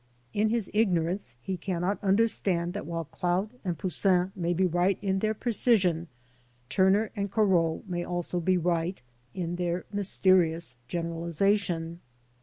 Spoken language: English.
In his ignorance he cannot understand that while Claude and Poussin may be right in their precision, Turner and Corot may also be right in their mysterious generalisation.